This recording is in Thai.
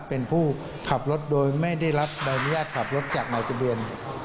เป็นผู้ขับรถโดยไม่ได้รับใบอนุญาตขับรถจากหมายทะเบียน